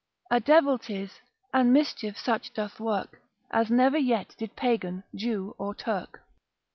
A devil 'tis, and mischief such doth work, As never yet did Pagan, Jew, or Turk.